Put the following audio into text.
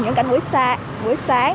những cảnh buổi sáng